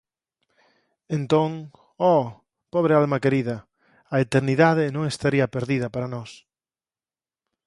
Entón, –oh! –pobre alma querida, a eternidade non estaría perdida para nós!